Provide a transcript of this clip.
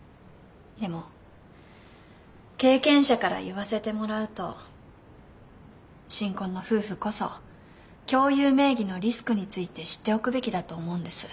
でも経験者から言わせてもらうと新婚の夫婦こそ共有名義のリスクについて知っておくべきだと思うんです。